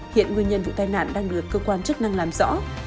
hiện nguyên nhân vụ tai nạn đang được cơ quan chức năng làm rõ